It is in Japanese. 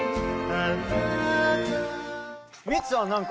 うん。